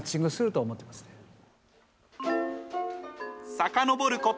さかのぼること